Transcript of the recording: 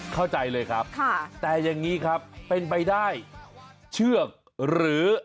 เข้าใจเลยครับแต่อย่างนี้ครับเป็นไปได้เชือกหรือ